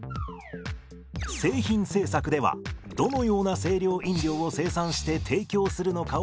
製品政策ではどのような清涼飲料を生産して提供するのかを決めます。